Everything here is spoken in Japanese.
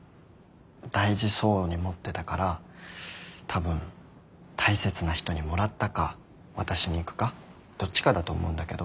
大事そうに持ってたからたぶん大切な人にもらったか渡しに行くかどっちかだと思うんだけど。